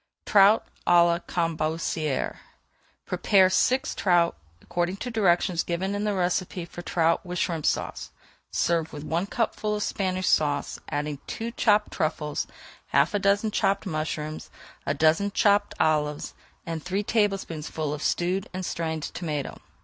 TROUT À LA CAMBACERES Prepare six trout according to directions given in the recipe for Trout with Shrimp Sauce. Serve with one cupful of Spanish Sauce, adding two chopped truffles, half a dozen chopped mushrooms, a dozen chopped olives, and three tablespoonfuls of stewed and strained tomato.